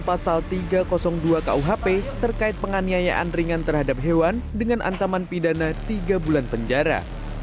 pasal tiga ratus dua kuhp terkait penganiayaan ringan terhadap hewan dengan ancaman pidana tiga bulan penjara